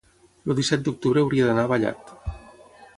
El disset d'octubre hauria d'anar a Vallat.